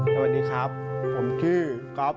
สวัสดีครับผมชื่อก๊อฟ